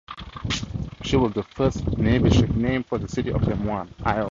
She was the first Navy ship named for the city of Des Moines, Iowa.